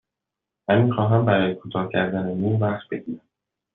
من می خواهم برای کوتاه کردن مو وقت بگیرم.